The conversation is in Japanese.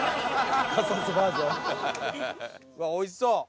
うわおいしそう。